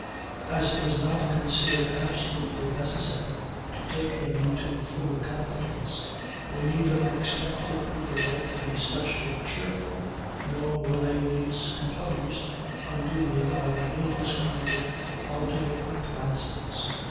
As it was not considered absolutely necessary to take them into full confidence, they neither expected the girl to be specially cheerful nor were they discomposed unduly by the indescribable quality of her glances.